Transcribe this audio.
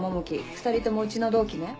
２人ともうちの同期ね。